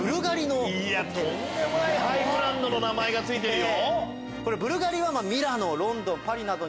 いやとんでもないハイブランドの名前が付いてるよ。